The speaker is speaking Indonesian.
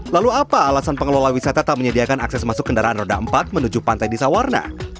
lalu apa alasan pengelola wisata tak menyediakan akses masuk kendaraan roda empat menuju pantai di sawarna